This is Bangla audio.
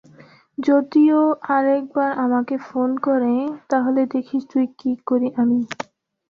যদি ও আরেকবার আমাকে ফোন করে, তাহলে দেখিস তুই কী করি আমি!